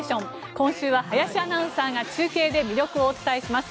今週は林アナウンサーが中継で魅力をお伝えします。